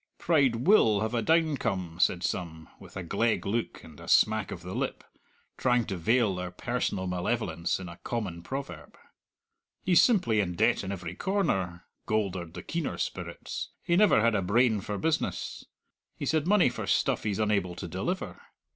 "Pride will have a downcome," said some, with a gleg look and a smack of the lip, trying to veil their personal malevolence in a common proverb. "He's simply in debt in every corner," goldered the keener spirits; "he never had a brain for business. He's had money for stuff he's unable to deliver!